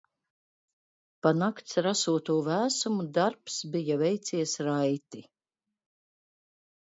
Pa nakts rasoto vēsumu darbs bija veicies raiti.